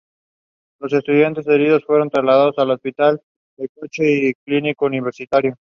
Los estudiantes heridos fueron trasladados al hospital de Coche y al Clínico Universitario.